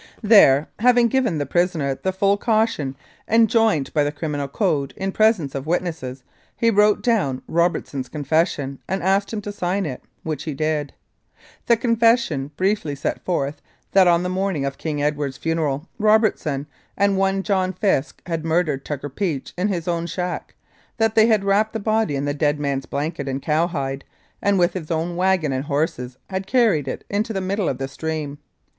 There, having given the prisoner the full caution enjoined by the Criminal Code in presence of witnesses, he wrote down Robertson's confession and asked him to sign it, which he did. The confession briefly set forth that on the morning of King Edward's funeral Robertson and one John Fisk had murdered Tucker Peach in his own shack, that they had wrapped the body in the dead man's blanket and cowhide, and, with his own wagon and horses had carried it into the middle of the stream.